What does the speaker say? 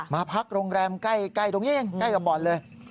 มาพักโรงแรมใกล้ตรงนี้ใกล้กับบอรุษฐ์เลย